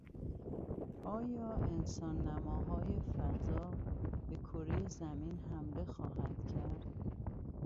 آیا انسان نماهای فضا به کرهی زمین حمله خواهند کرد؟